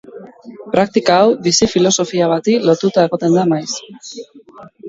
Praktika hau bizi-filosofia bati lotuta egoten da maiz.